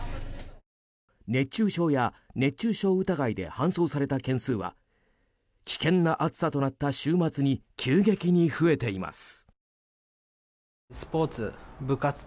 熱中症や熱中症疑いで搬送された件数は危険な暑さとなった週末に急激に増えています。